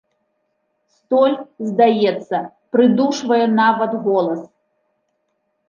Столь, здаецца, прыдушвае нават голас.